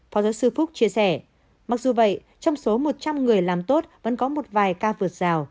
phó giáo sư phúc chia sẻ mặc dù vậy trong số một trăm linh người làm tốt vẫn có một vài ca vượt rào